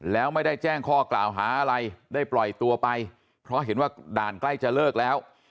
แล้วไม่ได้แจ้งข้อกล่าวหาอะไรได้ปล่อยตัวไปเพราะเห็นว่าด่านใกล้จะเลิกแล้ว